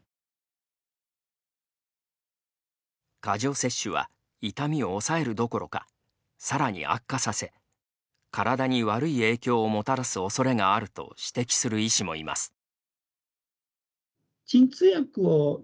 過剰摂取は痛みを抑えるどころかさらに悪化させ体に悪い影響をもたらすおそれがあると指摘する医師もいます。